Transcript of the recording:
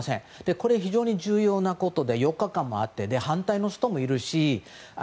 これは非常に重要なことで４日間もあって反対の人もいるし